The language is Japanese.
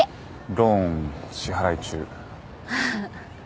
ローン支払い中。